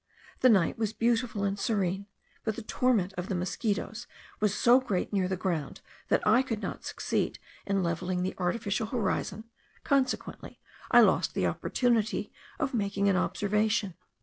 The night was beautiful and serene, but the torment of the mosquitos was so great near the ground, that I could not succeed in levelling the artificial horizon; consequently I lost the opportunity of making an observation.